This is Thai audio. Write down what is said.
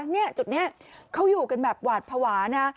เนี่ยจุดนี้เขาอยู่กันแบบหวาดภาวะนะ